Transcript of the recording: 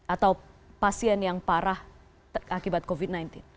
atau pasien yang parah akibat covid sembilan belas